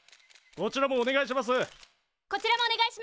こちらもお願いします。